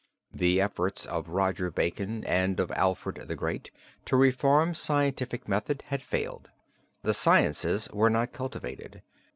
The efforts of Roger Bacon and of Alfred the Great to reform scientific method had failed; the sciences were not cultivated.